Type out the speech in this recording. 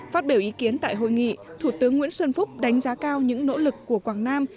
phát biểu ý kiến tại hội nghị thủ tướng nguyễn xuân phúc đánh giá cao những nỗ lực của quảng nam